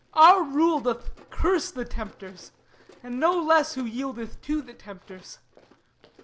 Our rule doth curse the tempters, and no less Who yieldeth to the tempters.